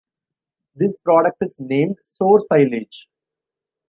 This product is named sour silage.